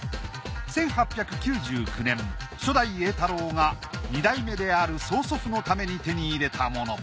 １８９９年初代栄太郎が二代目である曽祖父のために手に入れたもの。